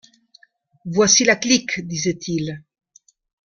Voici la clique, disait-il.